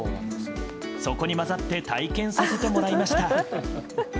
そこに混ざって体験させてもらいました。